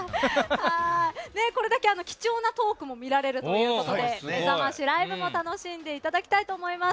これだけ貴重なトークも見られるということでめざましライブも楽しんでいただきたいと思います。